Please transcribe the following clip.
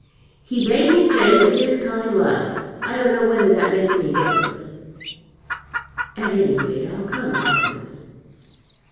"He bade me say with his kind love. I don't know whether that makes any difference." "At any rate, I'll come, Hopkins."